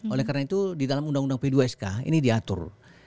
oleh karena itu di dalam undang undang p dua sk ini diatur